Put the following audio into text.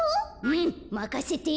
うんまかせて。